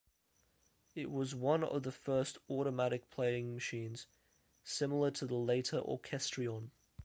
It was one of the first automatic playing machines, similar to the later Orchestrion.